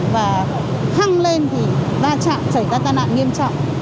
và hăng lên thì ba trạm chảy ra tai nạn nghiêm trọng